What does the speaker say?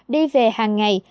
đi về hàng ngày